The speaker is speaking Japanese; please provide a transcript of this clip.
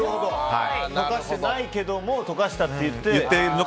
溶かしてないけども溶かしたと言って。